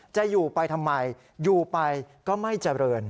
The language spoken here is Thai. จะอยู่ไปทำไมอยู่ไปก็ไม่เจริญ